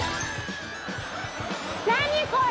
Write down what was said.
何これ！